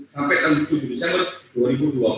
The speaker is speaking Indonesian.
sampai tanggal tujuh desember dua ribu dua puluh